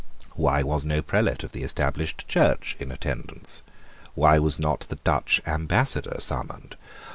Why was no prelate of the Established Church in attendance? Why was not the Dutch Ambassador summoned?